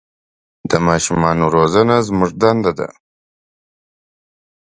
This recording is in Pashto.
د ماشومان روزنه زموږ دنده ده.